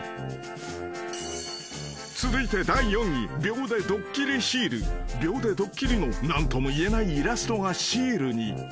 ［続いて第４位］［秒でドッキリの何とも言えないイラストがシールに］